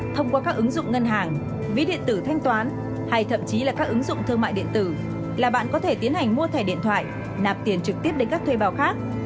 thông qua các ứng dụng ngân hàng ví điện tử thanh toán hay thậm chí là các ứng dụng thương mại điện tử là bạn có thể tiến hành mua thẻ điện thoại nạp tiền trực tiếp đến các thuê bào khác